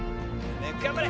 「頑張れ！」